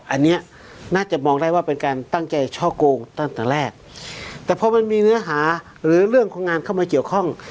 อันนี้น่าจะมองได้ว่าเป็นการตั้งใจช่อโกงตั้งแต่แรกแต่พอมันมีเนื้อหาหรือเรื่องของงานเข้ามาเกี่ยวข้อง